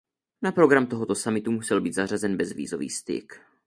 Na program tohoto summitu musel být zařazen bezvízový styk.